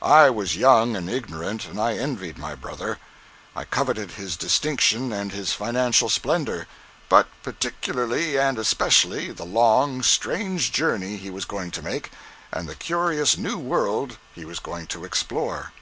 I was young and ignorant, and I envied my brother. I coveted his distinction and his financial splendor, but particularly and especially the long, strange journey he was going to make, and the curious new world he was going to explore.